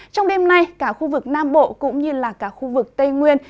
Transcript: trong đêm nay cả khu vực nam bộ cũng như là cả khu vực tây nguyên